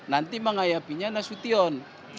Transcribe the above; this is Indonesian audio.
nanti mengayapinya nasution